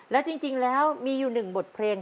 แล้วจริงแล้วมีอยู่หนึ่งบทเพลง